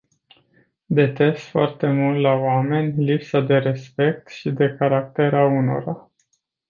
Detest foarte mult la oameni lipsa de respect și de caracter a unora.